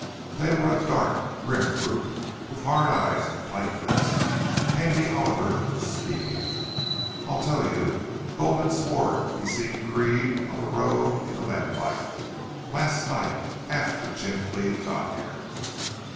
They were a dark, grim group, with hard eyes and tight lips. Handy Oliver was speaking. "I tell you, Gulden swore he seen Creede on the road in the lamplight last night AFTER Jim Cleve got here."